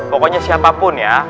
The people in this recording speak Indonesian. pokoknya siapapun ya